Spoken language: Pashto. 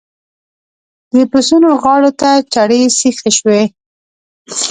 د پسونو غاړو ته چړې سيخې شوې.